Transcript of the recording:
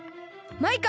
マイカ！